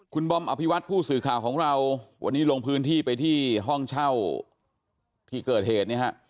คุณบอมอภิวัตผู้สื่อข่าวของเราวันนี้ลงพื้นที่ไปที่ห้องเช่าที่เกิดเหตุเนี่ยฮะ